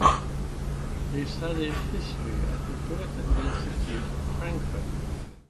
He studied history at the Goethe University Frankfurt.